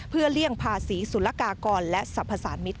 เพื่อเลี่ยงภาษีสุรกากรและสรรพสารมิตร